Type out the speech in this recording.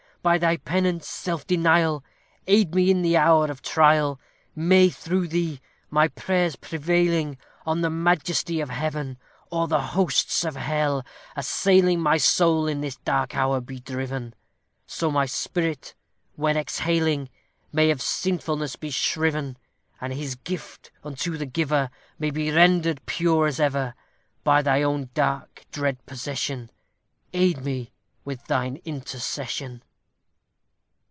By thy penance, self denial, Aid me in the hour of trial. May, through thee, my prayers prevailing On the Majesty of Heaven, O'er the hosts of hell, assailing My soul, in this dark hour be driven! So my spirit, when exhaling, May of sinfulness be shriven, And His gift unto the Giver May be rendered pure as ever! By thy own dark, dread possession, Aid me with thine intercession!